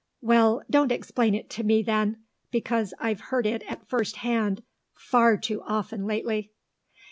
"Well, don't explain it to me, then, because I've heard it at first hand far too often lately."